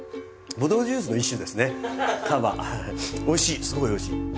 おいしいすごいおいしい。